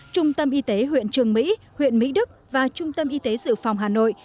trung tâm y tế huyện trường mỹ huyện mỹ đức và trung tâm y tế dự phòng hà nội